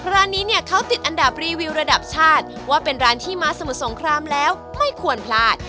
ร้านนี้เนี่ยเขาติดอันดับรีวิวระดับชาติว่าเป็นร้านที่มาสมุทรสงครามแล้วไม่ควรพลาด